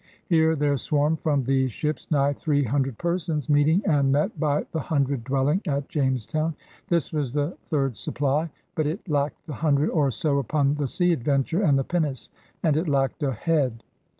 Here there swarmed from these ships nigh three hundred persons, meeting and met by the hun dred dwelling at Jamestown. This was the third supply, but it lacked the himdred or so upon the Sea Adventure and the pinnace, and it lacked a head.